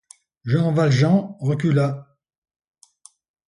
Jean Valjean recula.